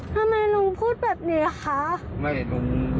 ทำไมลุงพูดแบบนี้ค่ะไม่ลุง